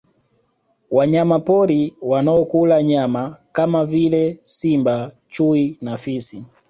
Wanyamapori wanao kula nyama kama vile simba chui na fisi